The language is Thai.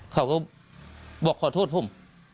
เขาก็บอกขอโทษผม